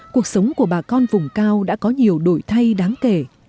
cuộc sống của bà con vùng cao đã có nhiều đổi thay đáng kể